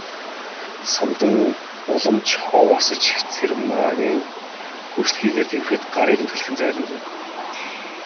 Самдан улам ч ов асаж Цэрэгмаагийн бүсэлхийгээр тэврэхэд гарыг нь түлхэн зайлуулав.